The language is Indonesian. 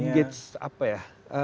tingkat apa ya